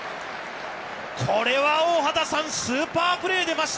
これは大畑さん、スーパープレー出ました。